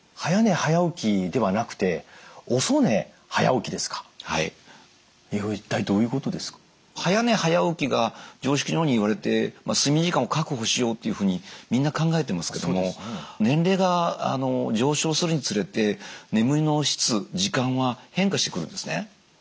早寝早起きが常識のようにいわれて睡眠時間を確保しようっていうふうにみんな考えてますけども年齢が上昇するにつれて眠りの質時間は変化してくるんですね。